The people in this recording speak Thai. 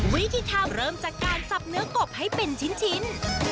วิธีทำเริ่มจากการสับเนื้อกบให้เป็นชิ้น